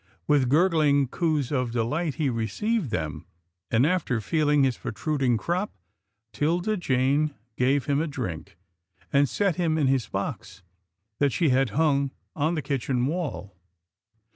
With gurgling coos of delight, he received them, and, after feeling his protruding crop, 'Tilda Jane gave him a drink, and set him in his box that she had hung on the kitchen wall.